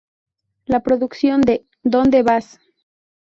La producción de ¿Dónde vas?